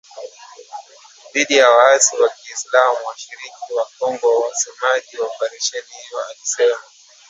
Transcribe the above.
Dhidi ya waasi wa kiislam mashariki mwa Kongo msemaji wa operesheni hiyo alisema.